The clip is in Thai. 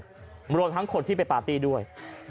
ตำรวจทั้งคนที่ไปประตีด้วย